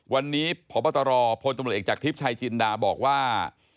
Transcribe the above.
วันนี้พตอศิวราบพตอศิวราจากทริปชายจินดาบอกว่า